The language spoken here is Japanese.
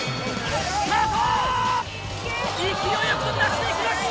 勢いよく飛び出していきました！